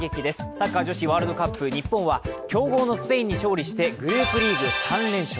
サッカー女子ワールドカップ、日本は強豪のスペインに勝利して、グループリーグ３連勝。